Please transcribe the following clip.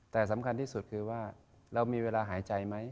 แต่สำคัญที่สุดคือว่าเรามีเวลาหายใจไหม